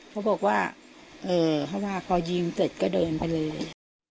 เขาบอกว่าเพราะว่าพอยิงเสร็จก็เดินไปเลย